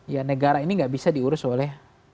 ya negara ini gak bisa diurus oleh